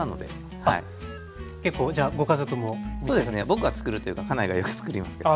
僕がつくるというか家内がよくつくりますけど。